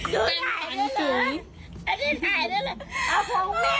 เดี๋ยว